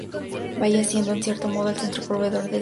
Venía siendo en cierto modo el centro proveedor del área.